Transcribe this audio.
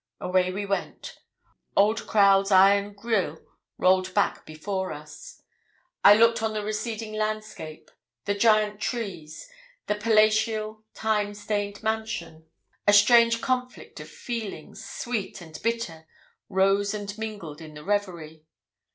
Away we went. Old Crowle's iron grille rolled back before us. I looked on the receding landscape, the giant trees the palatial, time stained mansion. A strange conflict of feelings, sweet and bitter, rose and mingled in the reverie.